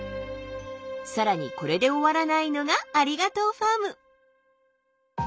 更にこれで終わらないのがありがとうファーム。